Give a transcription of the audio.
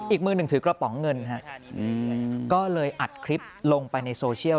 อีกมือหนึ่งถือกระป๋องเงินฮะก็เลยอัดคลิปลงไปในโซเชียล